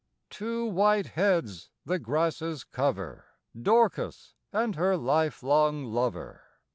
IV Two white heads the grasses cover: Dorcas, and her lifelong lover.